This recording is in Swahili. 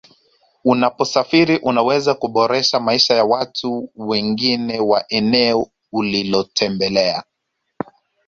Unaposafiri unaweza kuboresha maisha ya watu wengine wa eneo ulilotembelea